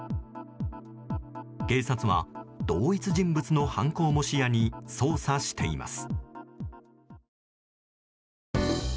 警察は同一人物の犯行も視野に捜査しています。